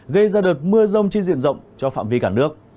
gây ra đợt mưa rông trên diện rộng cho phạm vi cả nước